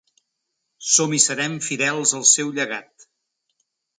Som i serem fidels al seu llegat.